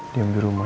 diam di rumah